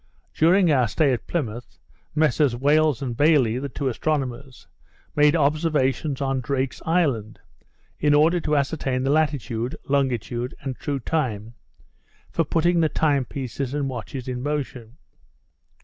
During our stay at Plymouth, Messrs Wales and Bayley, the two astronomers, made observations on Drake's Island, in order to ascertain the latitude, longitude, and true time for putting the time pieces and watches in motion.